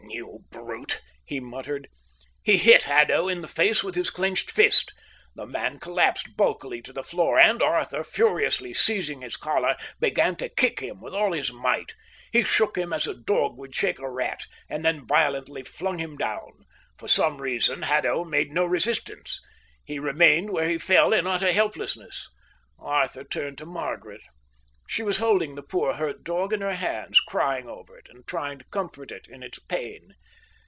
"You brute," he muttered. He hit Haddo in the face with his clenched fist. The man collapsed bulkily to the floor, and Arthur, furiously seizing his collar, began to kick him with all his might. He shook him as a dog would shake a rat and then violently flung him down. For some reason Haddo made no resistance. He remained where he fell in utter helplessness. Arthur turned to Margaret. She was holding the poor hurt dog in her hands, crying over it, and trying to comfort it in its pain.